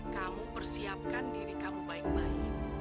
kamu persiapkan diri kamu baik baik